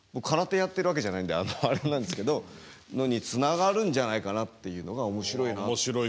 空手やってるわけじゃないんであれなんですけどのにつながるんじゃないかなっていうのが面白いなって。